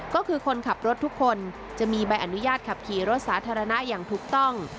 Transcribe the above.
ก็คือคนขับรถทุกคนจะมีใบอนุญาตขับขี่รถสาธารณะอย่างถูกต้อง